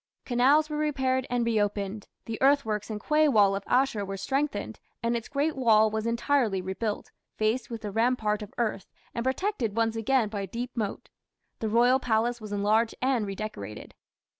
Canals were repaired and reopened; the earthworks and quay wall of Ashur were strengthened, and its great wall was entirely rebuilt, faced with a rampart of earth, and protected once again by a deep moat. The royal palace was enlarged and redecorated.